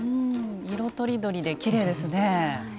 色とりどりできれいですね。